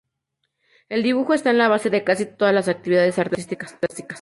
El dibujo está en la base de casi todas las actividades artísticas plásticas.